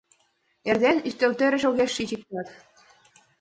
Эрден ӱстелтӧрыш огеш шич иктат